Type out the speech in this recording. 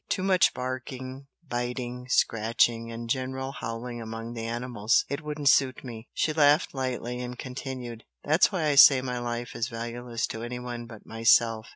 Too much barking, biting, scratching, and general howling among the animals! it wouldn't suit me!" She laughed lightly, and continued, "That's why I say my life is valueless to anyone but myself.